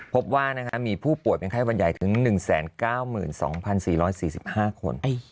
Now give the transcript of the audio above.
พบว่ามีผู้ป่วยเป็นไข้วันใหญ่ถึง๑๙๒๔๔๕คน